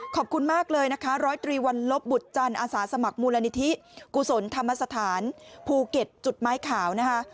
ขอบคุณมากเลยนะคะร้อยตรีวันลบบุตรจันทร์อาสาสมัครมูลนิธิกุศลธรรมสถานภูเก็ตจุดไม้ขาวนะคะ